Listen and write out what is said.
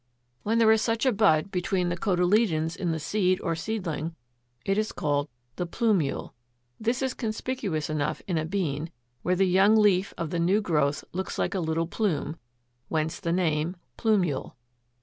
When there is such a bud between the cotyledons in the seed or seedling it is called the PLUMULE. This is conspicuous enough in a bean (Fig. 29.), where the young leaf of the new growth looks like a little plume, whence the name, plumule.